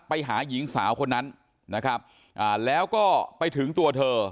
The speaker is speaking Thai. ไปหาหญิงสาวคนนั้นนะครับแล้วก็ไปถึงตัวเธอ